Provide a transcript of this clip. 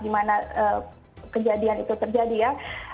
di mana kejadian itu terjadi ya